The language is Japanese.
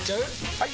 ・はい！